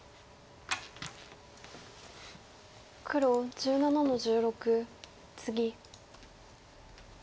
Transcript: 黒１７の十六ツギ。